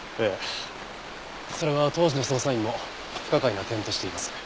それは当時の捜査員も不可解な点としています。